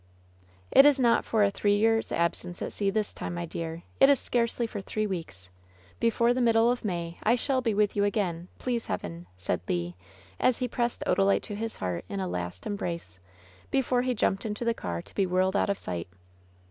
"It is not for a three years absence at sea this time, my dear! It is scarcely for three weeks. Before the middle of May I shall be with you again — ^please Heaven,'' said Le, as he pressed Odalite to his heart in a last embrace, before he jumped into the car to be whirled out of sight.